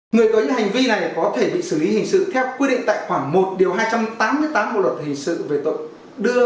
người có những hành vi này có thể bị xử lý hình sự theo quy định tại khoảng một hai trăm tám mươi tám bộ luật hình sự về tội đưa